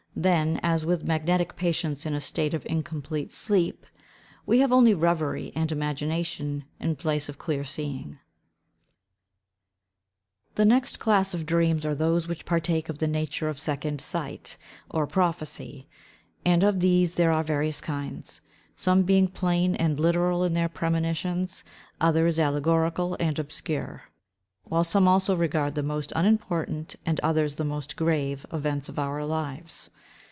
Then, as with magnetic patients in a state of incomplete sleep, we have only revery and imagination in place of clear seeing. The next class of dreams are those which partake of the nature of second sight, or prophecy, and of these there are various kinds; some being plain and literal in their premonitions, others allegorical and obscure; while some also regard the most unimportant, and others the most grave events of our lives.